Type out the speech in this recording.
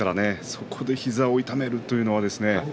そこで膝を痛めるというのはですね